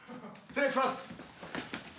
失礼します！